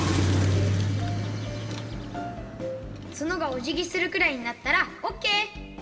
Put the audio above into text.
つのがおじぎするくらいになったらオッケー！